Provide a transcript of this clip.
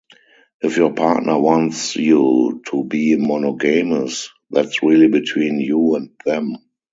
If your partner wants you to be monogamous, that’s really between you and them.